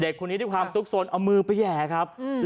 เด็กคนนี้ด้วยความสุขส่นเอามือเปรย์แห่ครับหืม